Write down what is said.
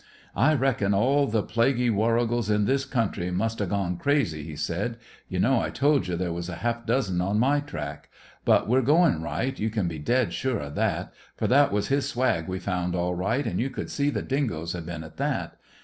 "I reckon all the plaguy warrigals in this country must 'a' gone crazy," he said. "You know I told you there was half a dozen on my track. But we're goin' right; you can be dead sure o' that, for that was his swag we found all right, and you could see the dingoes had been at that.